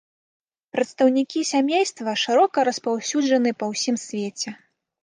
Прадстаўнікі сямейства шырока распаўсюджаны па ўсім свеце.